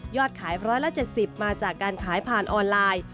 ขาย๑๗๐มาจากการขายผ่านออนไลน์